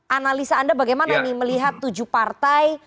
analisa anda bagaimana nih melihat tujuh partai